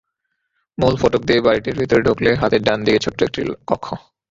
মূল ফটক দিয়ে বাড়িটির ভেতরে ঢুকলে হাতের ডান দিকে ছোট্ট একটি কক্ষ।